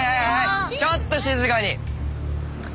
ちょっと静かに。